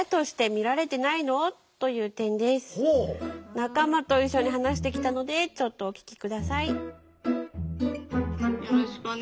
仲間と一緒に話してきたのでちょっとお聞き下さい。